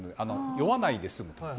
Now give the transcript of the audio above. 酔わないで済む。